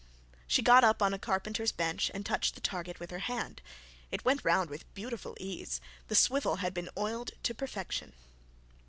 She got up on a carpenter's bench and touched the target with her hand; it went round with beautiful ease; the swivel had been oiled to perfection.